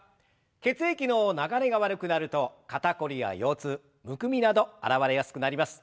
血液の流れが悪くなると肩凝りや腰痛むくみなど現れやすくなります。